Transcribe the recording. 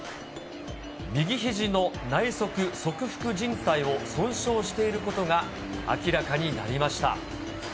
右ひじの内側側副じん帯を損傷していることが明らかになりました。